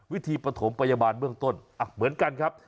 วิธีปฐมพยาบาลเบื้องต้นเหมือนกันครับ